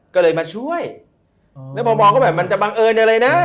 ก็เลยมาช่วยแล้วพอมองก็แบบมันจะบังเอิญอะไรนะ